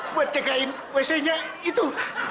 buat cegahin wc nya itu